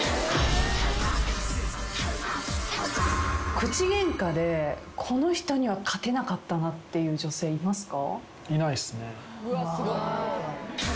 口ゲンカでこの人には勝てなかったなって女性いますか？